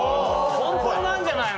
本当なんじゃないの？